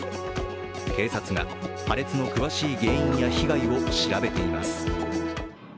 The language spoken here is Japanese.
警察が破裂の詳しい原因や被害を調べています。